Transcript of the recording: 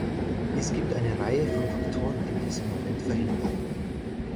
Es gibt eine Reihe von Faktoren, die dies im Moment verhindern.